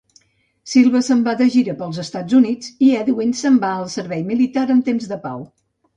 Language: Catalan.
Silva se'n va de gira pels Estats Units, i Edwin se'n va al servei militar en temps de pau.